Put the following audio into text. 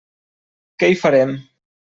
Que hi farem!